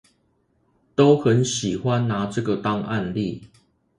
都很喜歡拿這當案例